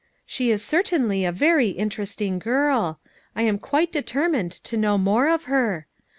She is certainly a very inter esting girl ; I am quite determined to know more of her.